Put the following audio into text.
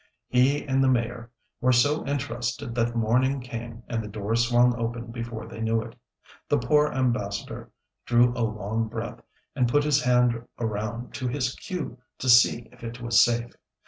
He and the Mayor were so interested that morning came and the door swung open before they knew it. The poor Ambassador drew a long breath, and put his hand around to his queue to see if it was safe.